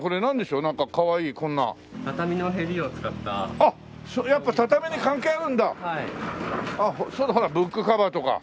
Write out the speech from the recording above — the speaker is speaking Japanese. あっそうだほらブックカバーとか。